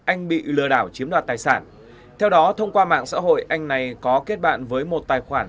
anh bị lừa đảo chiếm đoạt tài sản theo đó thông qua mạng xã hội anh này có kết bạn với một tài khoản